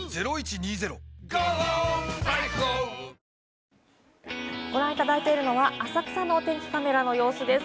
ニトリご覧いただいているのは浅草のお天気カメラの様子です。